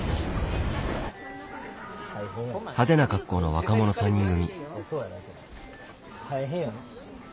派手な格好の若者３人組。